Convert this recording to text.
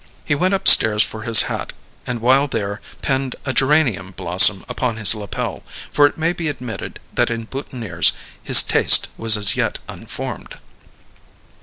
He went upstairs for his hat, and while there pinned a geranium blossom upon his lapel, for it may be admitted that in boutonnières his taste was as yet unformed.